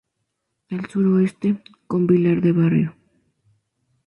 Al suroeste, con Vilar de Barrio.